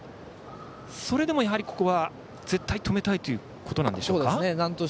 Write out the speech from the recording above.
それでもやはり、ここは絶対止めたいということでしょうか。